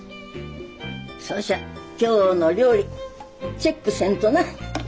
そしゃ今日の料理チェックせんとな。